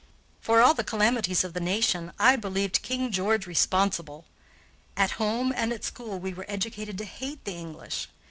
For all the calamities of the nation I believed King George responsible. At home and at school we were educated to hate the English.